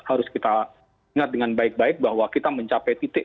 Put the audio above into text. harus kita ingat dengan baik baik bahwa kita mencapai titik